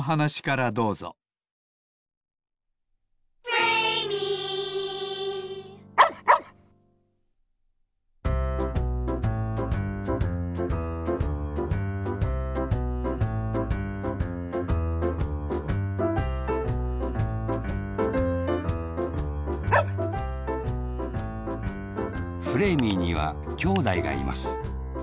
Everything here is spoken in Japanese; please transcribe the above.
フレーミーにはきょうだいがいます。